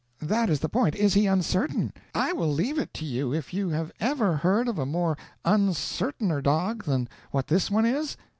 That is the point—is he uncertain? I will leave it to you if you have ever heard of a more uncertainer dog than what this one is?"